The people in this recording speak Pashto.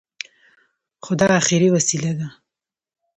خو دا اخري وسيله ده.